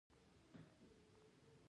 تنوع د افغانانو د ژوند طرز اغېزمنوي.